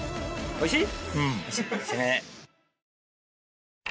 おいしい？